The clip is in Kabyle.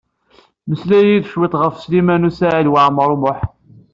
Mmeslay-iyi-d cwiṭ ɣef Sliman U Saɛid Waɛmaṛ U Muḥ.